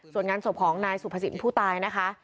ส่วนงานศพของนายสุภสินผู้ตายนะคะ